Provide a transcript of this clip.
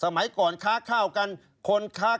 ชีวิตกระมวลวิสิทธิ์สุภาณฑ์